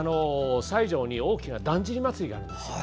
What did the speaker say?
西条に大きなだんじり祭があるんですよ。